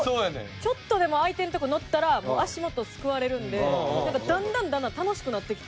ちょっとでも相手のとこのったら足元すくわれるんでなんかだんだんだんだん楽しくなってきて。